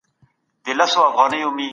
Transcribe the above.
ایا له سګرېټو ډډه کول د ژوند موده زیاتوي؟